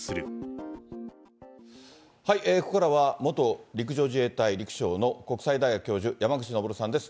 ここからは、元陸上自衛隊陸将の国際大学教授、山口昇さんです。